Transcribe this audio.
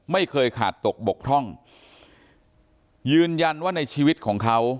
ไม่เคยขาดตกบกพร่องยืนยันว่าในชีวิตของเขา